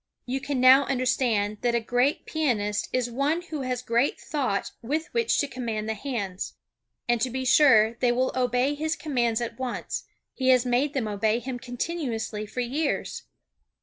You can now understand that a great pianist is one who has great thought with which to command the hands. And to be sure they will obey his commands at once, he has made them obey him continuously for years.